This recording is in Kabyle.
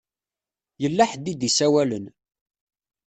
Yella ḥedd i d-isawalen.